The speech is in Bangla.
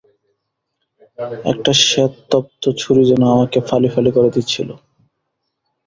একটা শ্বেত-তপ্ত ছুড়ি যেন আমাকে ফালি ফালি করে দিচ্ছিল।